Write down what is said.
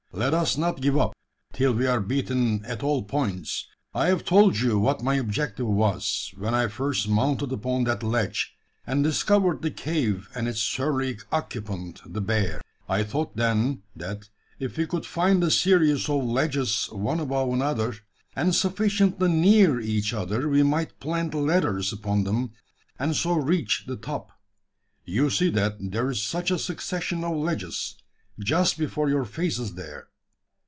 Let us not give up, till we are beaten at all points. I have told you what my object was, when I first mounted upon that ledge, and discovered the cave and its surly occupant, the bear. I thought then, that, if we could find a series of ledges one above another, and sufficiently near each other, we might plant ladders upon them, and so reach the top. You see that there is such a succession of ledges just before your faces there.